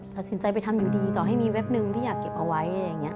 ตัดสินใจไปทำอยู่ดีต่อให้มีแวบนึงที่อยากเก็บเอาไว้